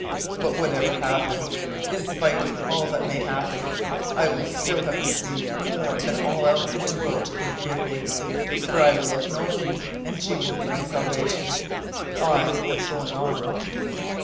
But whatever happens, in spite of all that may happen, I will still have received more than all else in the world could give me. For I will have known you, and you will be my salvation. I am going on."